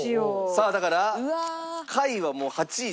さあだから下位はもう８位のみ。